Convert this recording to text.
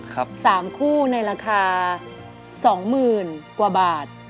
๓คู่ในราคา๒๐๐๐๐กว่าบาท